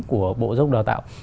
của bộ giáo dục đào tạo